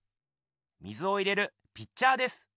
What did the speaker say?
水を入れるピッチャーです。